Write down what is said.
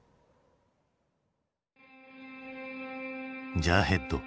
「ジャーヘッド」。